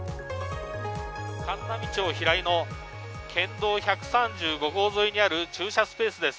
函南町の県道沿いにある駐車スペースです。